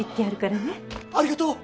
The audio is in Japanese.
ありがとう！